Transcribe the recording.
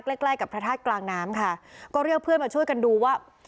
ใกล้ใกล้กับพระธาตุกลางน้ำค่ะก็เรียกเพื่อนมาช่วยกันดูว่า